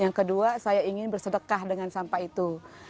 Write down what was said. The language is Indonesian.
yang kedua saya ingin bersedekah dengan sampah itu